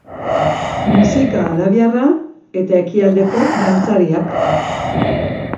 Musika arabiarra eta ekialdeko dantzariak.